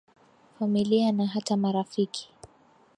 familia na hata marafiki